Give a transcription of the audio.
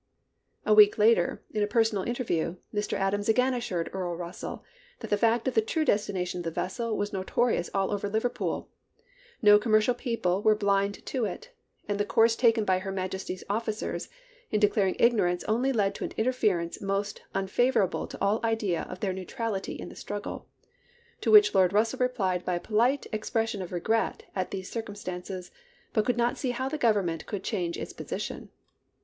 A week later, in a personal interview, Mr. Adams again assured Earl Russell that the fact of the true destination of the vessel was notorious all over Liverpool ; no commercial people were blind to it ; and the course taken by Her Majesty's offi cers in declaring ignorance only led to an inference most unfavorable to all idea of theu' neutrality in the struggle ; to which Lord Russell replied by a polite expression of regret at these circumstances, but could not see how the Grovernment could change its position.